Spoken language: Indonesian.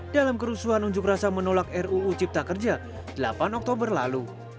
dalam kerusuhan unjuk rasa menolak ruu cipta kerja delapan oktober lalu